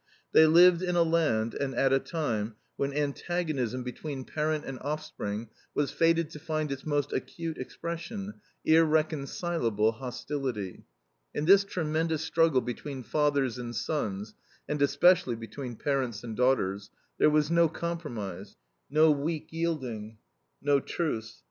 They lived in a land and at a time when antagonism between parent and offspring was fated to find its most acute expression, irreconcilable hostility. In this tremendous struggle between fathers and sons and especially between parents and daughters there was no compromise, no weak yielding, no truce.